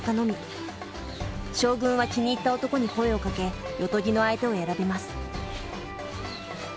将軍は気に入った男に声をかけ夜伽の相手を選びます。